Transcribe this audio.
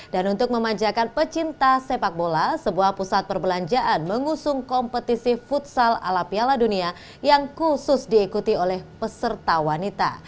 dan untuk memanjakan pecinta sepak bola sebuah pusat perbelanjaan mengusung kompetisi futsal ala piala dunia yang khusus diikuti oleh peserta wanita